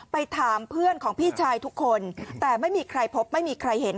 ไปถามเพื่อนของพี่ชายทุกคนแต่ไม่มีใครพบไม่มีใครเห็น